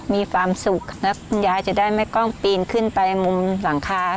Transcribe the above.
มีความสุขแล้วคุณยายจะได้แม่กล้องปีนขึ้นไปมุมหลังคา